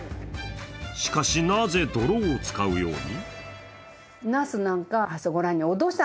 しかし、なぜ泥を使うように？